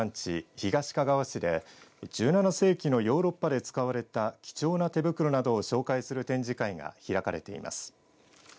東かがわ市で１７世紀のヨーロッパで使われた貴重な手袋などを紹介する展示会が開かれています。